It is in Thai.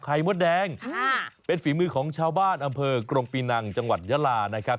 มดแดงเป็นฝีมือของชาวบ้านอำเภอกรงปีนังจังหวัดยาลานะครับ